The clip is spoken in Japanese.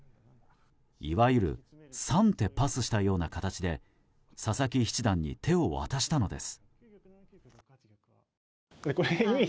いわゆる３手パスしたような形で佐々木七段に手を渡したのです。